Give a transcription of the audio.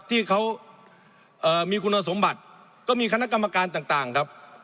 ที่เขามีคุณสมบัติก็มีคณะกรรมการต่างครับ